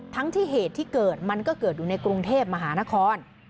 ทั้งที่เหตุที่เกิดมันก็เกิดอยู่ในกรุงเทพมหานคร